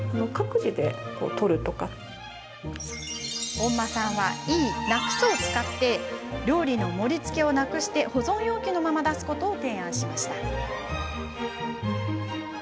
本間さんはＥ＝なくすを使って料理の盛りつけをなくし保存容器のまま出すことを提案したんです。